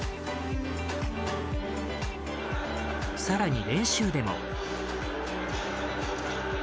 さらに練習でも。